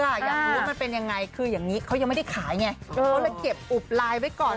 อยากรู้มันเป็นยังไงคืออย่างคือยังไงเขาไม่ได้ขายมันและเก็บอุบไลน์ไว้ก่อน